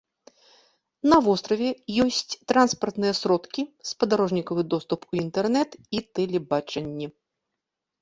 На востраве ёсць транспартныя сродкі, спадарожнікавы доступ у інтэрнэт і тэлебачанне.